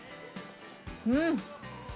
うん。